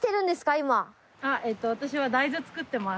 えっと私は大豆作ってます。